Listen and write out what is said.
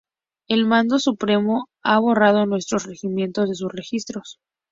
El mando supremo ha borrado nuestro regimiento de sus registros.